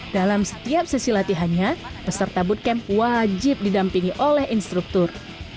dalam setiap sesi latihannya peserta bootcamp wajib didampingi oleh instruktur